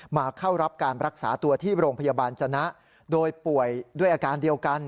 มาเข้ารับการรักษาตัวที่โรงพยาบาลจนะโดยป่วยด้วยอาการเดียวกัน